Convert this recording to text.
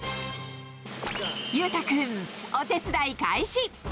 裕太君、お手伝い開始。